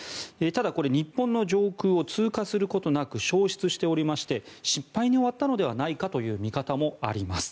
ただ、これ日本の上空を通過することなく消失しておりまして失敗に終わったのではないかという見方もあります。